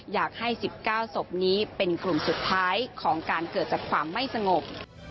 อยากให้๑๙ศพนี้เป็นกลุ่มสุดท้ายของการเกิดจากความไม่สงบ